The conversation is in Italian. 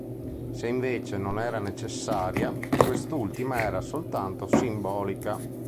Se, invece, non era necessaria, quest'ultima era soltanto simbolica.